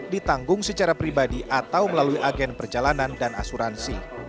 ditanggung secara pribadi atau melalui agen perjalanan dan asuransi